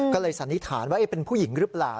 ก็เลยสันนิษฐานว่าเป็นผู้หญิงหรือเปล่า